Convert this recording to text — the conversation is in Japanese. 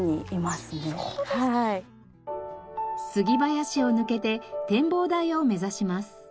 杉林を抜けて展望台を目指します。